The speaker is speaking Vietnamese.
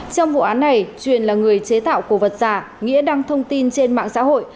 trong vụ án này truyền là người chế tạo cổ vật giả nghĩa đăng thông tin trên mạng xã hội